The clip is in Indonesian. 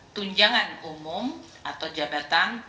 tunjangan umum atau jabatan